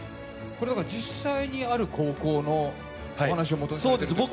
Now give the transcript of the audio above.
実際にある高校のお話をもとにしたんですか？